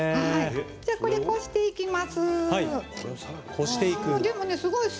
これ、こしていきます。